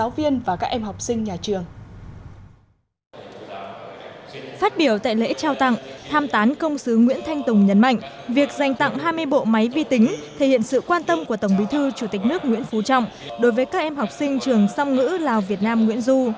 phát biểu tại lễ trao tặng tham tán công sứ nguyễn thanh tùng nhấn mạnh việc dành tặng hai mươi bộ máy vi tính thể hiện sự quan tâm của tổng bí thư chủ tịch nước nguyễn phú trọng đối với các em học sinh trường song ngữ lào việt nam nguyễn du